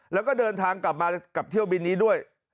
แล้วก็เดินทางกลับมากับเที่ยวบินนี้ด้วย